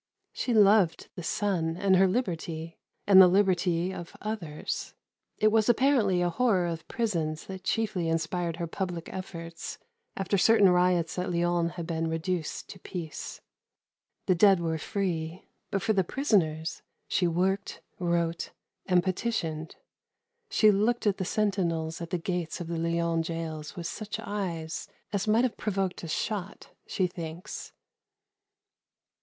She loved the sun and her liberty, and the liberty of others. It was apparently a horror of prisons that chiefly inspired her public efforts after certain riots at Lyons had been reduced to peace. The dead were free, but for the prisoners she worked, wrote, and petitioned. She looked at the sentinels at the gates of the Lyons gaols with such eyes as might have provoked a shot, she thinks.